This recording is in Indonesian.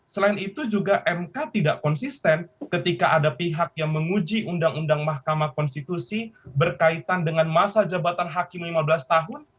selain itu juga mk tidak konsisten ketika ada pihak yang menguji undang undang mahkamah konstitusi berkaitan dengan masa jabatan hakim lima belas tahun